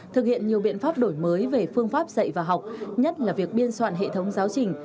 thực hiện nhiều biện pháp đổi mới về phương pháp dạy và học nhất là việc biên soạn hệ thống giáo trình